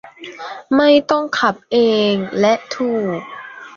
ไม่ต้องขับเอง และถูก